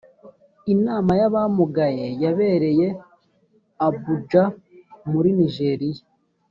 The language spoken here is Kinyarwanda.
inamay’ abamugaye yabereye abuja muri nigeria